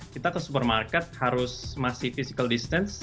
kita ke supermarket harus masih physical distance